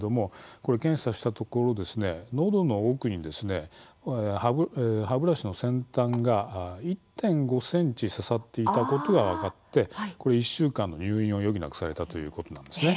検査したところ、のどの奥に歯ブラシの先端が１．５ｃｍ刺さっていたことが分かって１週間の入院を余儀なくされたということです。